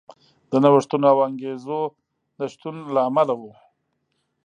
د نوښتونو او انګېزو نشتون له امله و.